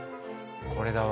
これだわ。